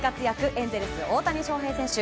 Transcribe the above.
エンゼルス、大谷翔平選手。